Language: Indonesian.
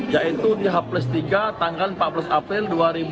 yaitu di h tiga tanggal empat belas april dua ribu dua puluh